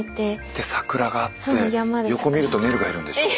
で桜があって横見るとねるがいるんでしょう。